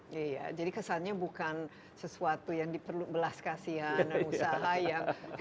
iya jadi kesannya bukan sesuatu yang diperlukan belas kasihan usaha yang